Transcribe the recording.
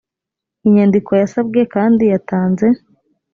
inyandiko yasabwe kandi yatanze